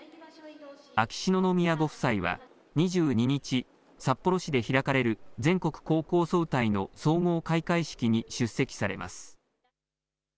秋篠宮ご夫妻は２２日、札幌市で開かれる全国高校総体の総合開会式に出席されます。